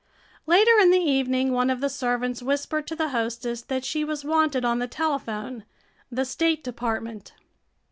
Later in the evening one of the servants whispered to the hostess that she was wanted on the telephone the State Department.